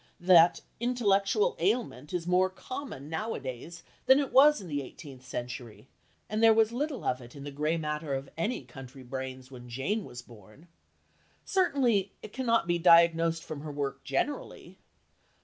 That intellectual ailment is more common now a days than it was in the eighteenth century, and there was little of it in the grey matter of any country brains when Jane was born. Certainly it cannot be diagnosed from her work generally.